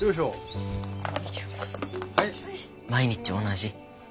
毎日同じ。